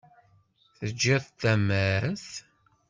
Teǧǧiḍ tamart?